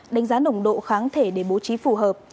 đánh giá nồng độ kháng thể để bố trí phù hợp